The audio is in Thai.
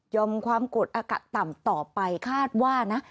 ความกดอากาศต่ำต่อไปคาดว่านะ